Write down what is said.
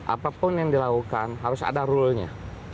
apapun yang dilakukan harus ada rule nya